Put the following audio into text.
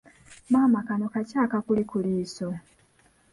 Maama kano kaki akakuli ku liiso?